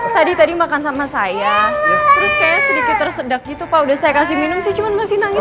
tadi tadi makan sama saya terus kayak sedikit tersedak gitu pak udah saya kasih minum sih cuman masih nangis